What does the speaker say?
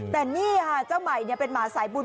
แต่นี่ค่ะเจ้าใหม่เป็นหมาสายบุญ